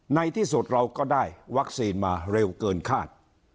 ในที่สุดเราก็ได้วัคซีนมาเร็วเกินคาด